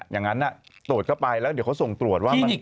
อย่างนั้นตรวจเข้าไปแล้วเดี๋ยวเขาส่งตรวจว่ามัน